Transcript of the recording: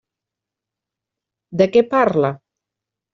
De què parla?